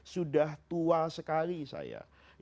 sudah tua sekali saya